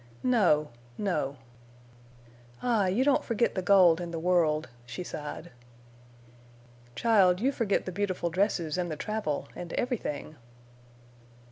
"No—no." "Ah, you don't forget the gold and the world," she sighed. "Child, you forget the beautiful dresses and the travel—and everything."